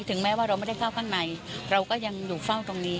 แม้ว่าเราไม่ได้เข้าข้างในเราก็ยังอยู่เฝ้าตรงนี้